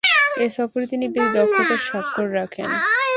এ সফরে তিনি বেশ দক্ষতার স্বাক্ষর রাখেন।